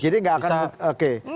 jadi gak akan oke